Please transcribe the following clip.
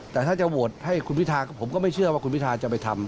แต่ถ้าจะโหวตให้คุณพิทาผมก็ไม่เชื่อว่าคุณพิทาจะไปทำ